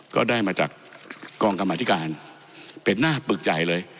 ก็ได้มาจากกองกรรมธิการเป็นหน้าปึกใหญ่เลย